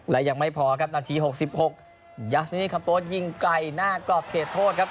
และยังไม่พอครับนาที๖๖ยาสมินีคาโปสยิงไกลหน้ากรอบเขตโทษครับ